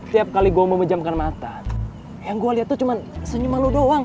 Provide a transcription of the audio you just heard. tiap kali gue mau menjamkan mata yang gue liat tuh cuman senyuman lo doang